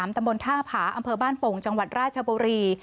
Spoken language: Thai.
ตำบลท่าผาอำเภอบ้านโป่งจังหวัดราชบุรี